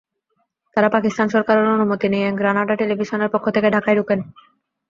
তঁারা পাকিস্তান সরকারের অনুমতি নিয়ে গ্রানাডা টেলিভিশনের পক্ষ থেকে ঢাকায় ঢোকেন।